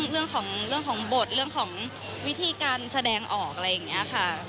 เรื่องของบทเรื่องของวิธีการแสดงออกอะไรอย่างนี้ค่ะ